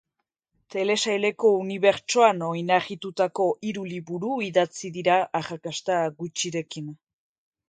Telesaileko unibertsoan oinarritutako hiru liburu idatzi dira arrakasta gutxirekin.